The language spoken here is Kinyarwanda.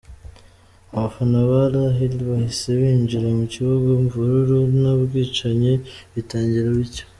Abafana ba Al Ahly bahise binjira mu kibuga imvururu n’ubwicanyi bitangira bityo.